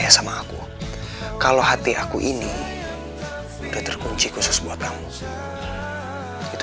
orang orang latam untuk menggunakan l satu sasaran tim ini